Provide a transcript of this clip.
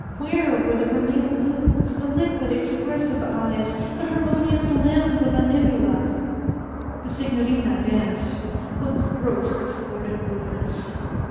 Where were the vermeil blooms, the liquid, expressive eyes, the harmonious limbs of Animula? The Signorina danced. What gross, discordant movements!